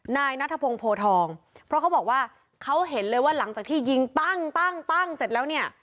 นายนัทพงศ์โพทองเพราะเขาบอกว่าเขาเห็นเลยว่าหลังจากที่ยิงปั้งปั้งปั้งเสร็จแล้วเนี่ย